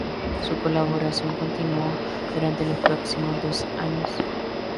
Su colaboración continuó durante los próximos dos años.